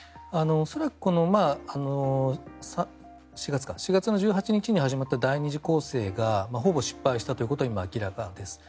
恐らく４月１８日に始まった第２次攻勢がほぼ失敗したということは今、明らかです。